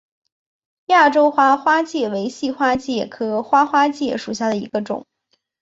亚洲花花介为细花介科花花介属下的一个种。